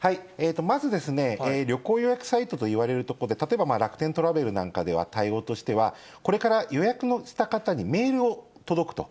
まずですね、旅行予約サイトといわれる所で、例えば楽天トラベルなんかでは対応としては、これから予約をした方にメールが届くと。